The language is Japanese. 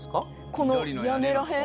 この屋根ら辺？